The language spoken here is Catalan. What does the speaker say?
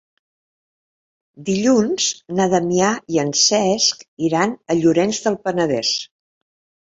Dilluns na Damià i en Cesc iran a Llorenç del Penedès.